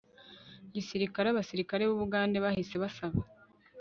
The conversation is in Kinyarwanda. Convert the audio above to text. gisirikare abasirikare b u bugande bahise basaba